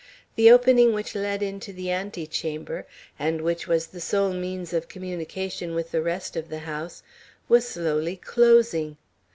The opening which led into the antechamber, and which was the sole means of communication with the rest of the house, was slowly closing.